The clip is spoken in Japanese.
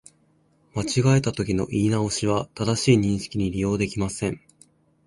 間違えたときの言い直しは、正しい認識に利用できません